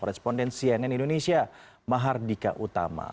responden cnn indonesia mahar dika utama